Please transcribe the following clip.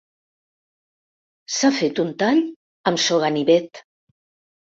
S'ha fet un tall amb so ganivet.